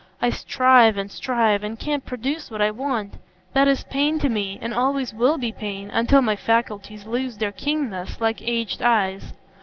I strive and strive, and can't produce what I want. That is pain to me, and always will be pain, until my faculties lose their keenness, like aged eyes.